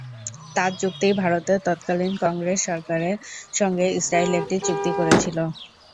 তাঁর যুক্তি, ভারতের তৎকালীন কংগ্রেস সরকারের সঙ্গে ইসরায়েল একটি চুক্তি করেছিল।